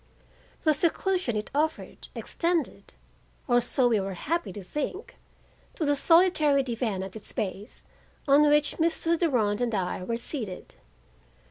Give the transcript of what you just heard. The seclusion it offered extended, or so we were happy to think, to the solitary divan at its base on which Mr. Durand and I were seated.